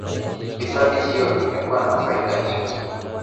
Hifadhi hiyo imekuwa na faida nyingi